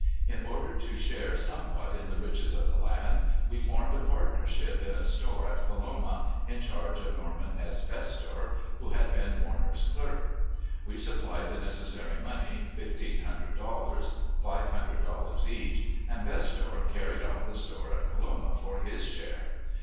In order to share somewhat in the riches of the land, we formed a partnership in a store at Coloma, in charge of Norman S. Bestor, who had been Warner's clerk. We supplied the necessary money, fifteen hundred dollars (five hundred dollars each), and Bestor carried on the store at Coloma for his share.